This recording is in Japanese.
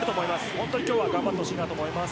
本当に今日は頑張ってほしいと思います。